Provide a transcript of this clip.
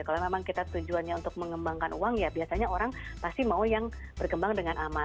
kalau memang kita tujuannya untuk mengembangkan uang ya biasanya orang pasti mau yang berkembang dengan aman